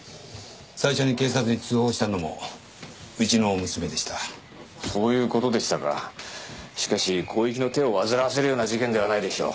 最初に警察に通報したのもうちの娘でしたそういうことでしたかしかし広域の手を煩わせるような事件ではないでしょう